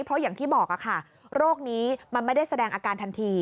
เพราะอย่างที่บอกค่ะโรคนี้มันไม่ได้แสดงอาการทันที